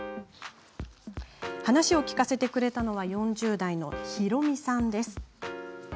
話を聞かせてくれたのは４０代の宏美さん。